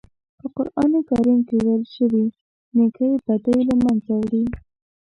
په قرآن کریم کې ویل شوي نېکۍ بدۍ له منځه وړي.